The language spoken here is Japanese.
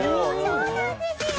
そうなんですよ！